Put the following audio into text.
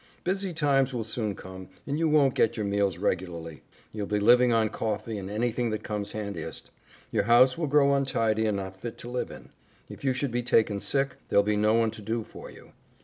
Busy times will soon come, and you won't get your meals regularly; you'll be living on coffee and anything that comes handiest; your house will grow untidy and not fit to live in. If you should be taken sick, there'd be no one to do for you.